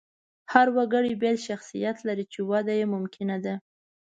هر وګړی بېل شخصیت لري، چې وده یې ممکنه ده.